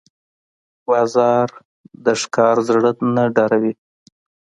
باز د ښکار زړه نه ډاروي